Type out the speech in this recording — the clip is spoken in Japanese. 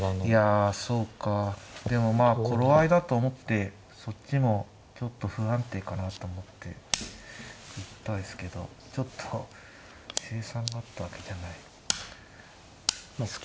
いやそうかでもまあ頃合いだと思ってそっちもちょっと不安定かなと思って行ったですけどちょっと成算があったわけじゃないので。